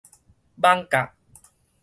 艋舺